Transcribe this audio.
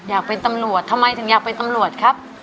อยากเป็นตำรวจทำไมถึงอยากเป็นตำรวจครับ